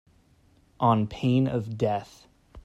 On pain of death.